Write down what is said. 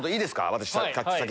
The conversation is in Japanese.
私。